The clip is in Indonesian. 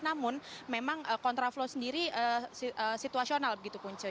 namun memang contra flow sendiri situasional begitu kuncio